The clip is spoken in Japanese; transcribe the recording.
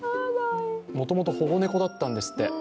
もともと保護猫だったんですって。